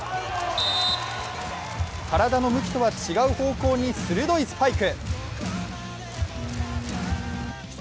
体の向きとは違う方向に鋭いスパイク。